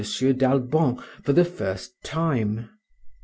d'Albon for the first time.